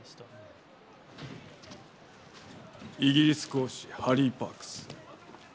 イギリス公使ハリー・パークス。